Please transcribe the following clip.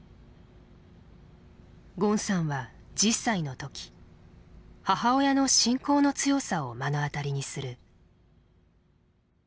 ゴンさんは１０歳の時母親の信仰の強さを目の当たりにする。